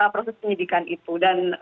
proses penyidikan itu dan